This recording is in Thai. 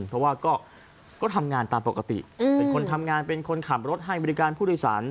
เพราะว่าก็ทำงานตามปกติเป็นคนทำงานเป็นคนขับรถให้บริการผู้โดยสาร